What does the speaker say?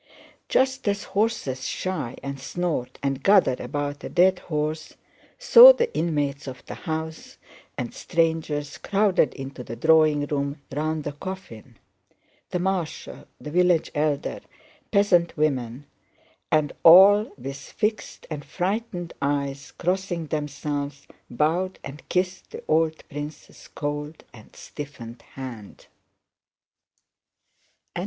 Just as horses shy and snort and gather about a dead horse, so the inmates of the house and strangers crowded into the drawing room round the coffin—the Marshal, the village Elder, peasant women—and all with fixed and frightened eyes, crossing themselves, bowed and kissed the old prince's cold and stiffened hand.